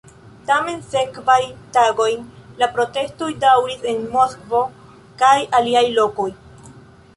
Tamen sekvajn tagojn la protestoj daŭris en Moskvo kaj aliaj lokoj.